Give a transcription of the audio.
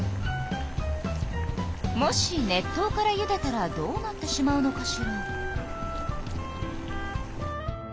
もし熱湯からゆでたらどうなってしまうのかしら？